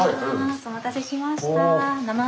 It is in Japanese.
お待たせしました。